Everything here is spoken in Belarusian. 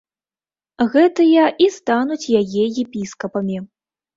Гэтыя і стануць яе епіскапамі.